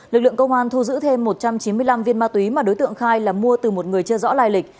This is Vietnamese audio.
lực lượng công an thu giữ thêm một trăm chín mươi năm viên ma túy mà đối tượng khai là mua từ một người chưa rõ lai lịch